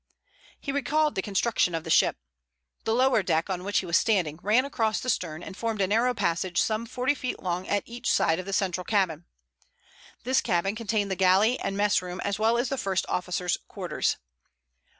He recalled the construction of the ship. The lower deck, on which he was standing, ran across the stern and formed a narrow passage some forty feet long at each side of the central cabin. This cabin contained the galley and mess room as well as the first officer's quarters.